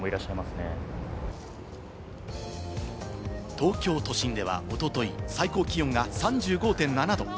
東京都心ではおととい最高気温が３５．７度。